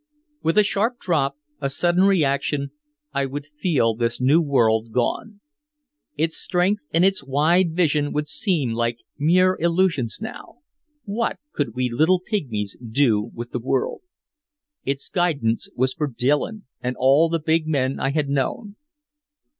With a sharp drop, a sudden reaction, I would feel this new world gone. Its strength and its wide vision would seem like mere illusions now. What could we little pigmies do with the world? Its guidance was for Dillon and all the big men I had known.